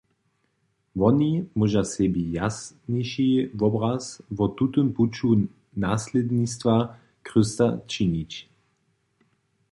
Woni móža sebi jasniši wobraz wo tutym puću naslědnistwa Chrysta sčinić.